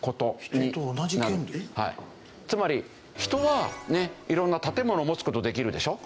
つまり人は色んな建物を持つ事できるでしょ。